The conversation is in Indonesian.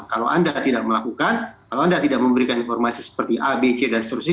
kalau anda tidak melakukan kalau anda tidak memberikan informasi seperti a b c dan seterusnya